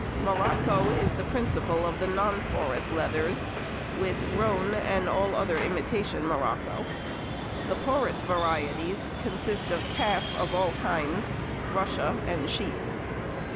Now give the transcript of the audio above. Morocco is the principal of the non porous leathers, with roan and all other imitation morocco. The porous varieties consist of calf of all kinds, russia, and sheep.